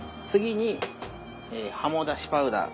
次にはもだしパウダー。